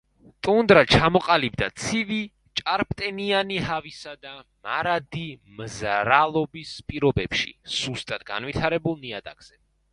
ტუნდრა ჩამოყალიბდა ცივი, ჭარბტენიანი ჰავისა და მარადი მზრალობის პირობებში, სუსტად განვითარებულ ნიადაგზე.